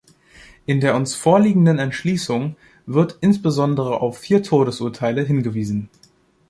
In der uns vorliegenden Entschließung wird insbesondere auf vier Todesurteile hingewiesen.